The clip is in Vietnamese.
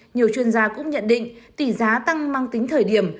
nhiều chuyên gia cũng nhận định tỷ giá tăng mang tính thời điểm